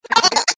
আসলে তুমি কে?